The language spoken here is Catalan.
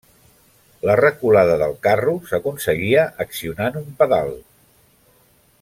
La reculada del carro s'aconseguia accionant un pedal.